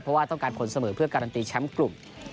เพราะว่าต้องการผลเสมอเพื่อการันตีแชมป์กลุ่ม